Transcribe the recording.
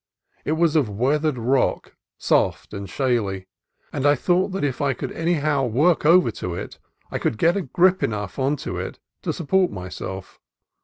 It was of weathered rock, soft and shaly, and I thought that if I could any how work over to it I could get grip enough on it to support myself.